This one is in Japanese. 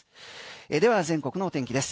では全国の天気です。